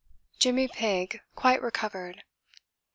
Jimmy Pigg quite recovered.